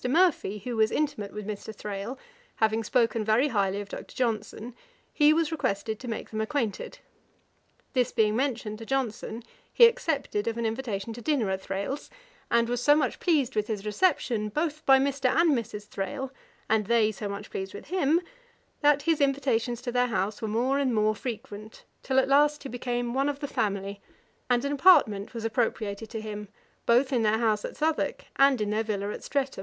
Murphy, who was intimate with Mr. Thrale, having spoken very highly of Dr. Johnson, he was requested to make them acquainted. This being mentioned to Johnson, he accepted of an invitation to dinner at Thrale's, and was so much pleased with his reception, both by Mr. and Mrs. Thrale, and they so much pleased with him, that his invitations to their house were more and more frequent, till at last he became one of the family, and an apartment was appropriated to him, both in their house in Southwark, and in their villa at Streatham.